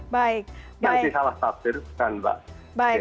yang disalahstafirkan mbak